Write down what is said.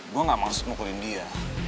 gue gak males mukulin dia